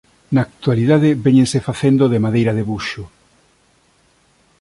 Na actualidade véñense facendo de madeira de buxo.